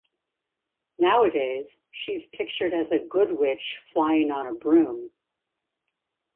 Nowadays she's pictured as a good witch flying on a broom.